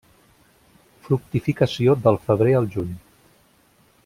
Fructificació del febrer al juny.